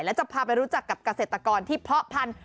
และจะพาไปรู้จักกับเกษตรกรที่เพาะพันธุ